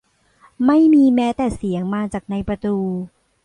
ไม่มีแม้แต่เสียงมาจากในประตู